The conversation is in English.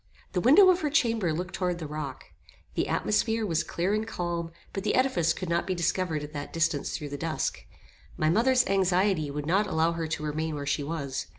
The window of her chamber looked toward the rock. The atmosphere was clear and calm, but the edifice could not be discovered at that distance through the dusk. My mother's anxiety would not allow her to remain where she was.